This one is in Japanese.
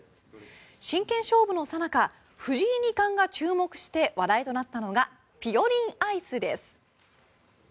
真剣勝負のさなか藤井二冠が注目して話題となったのがぴよりんアイスです。